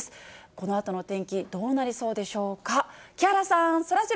このあとの天気、どうなりそうでしょうか。